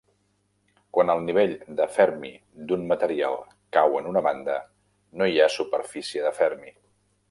Quan el nivell de Fermi d'un material cau en una banda, no hi ha superfície de Fermi.